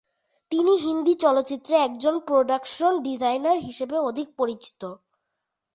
তিনি হিন্দি চলচ্চিত্রে একজন প্রোডাকশন ডিজাইনার হিসেবে অধিক পরিচিত।